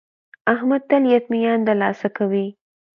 احمد تل یتمیان دلاسه کوي.